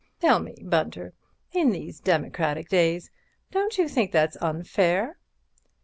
Tell me, Bunter, in these democratic days, don't you think that's unfair?"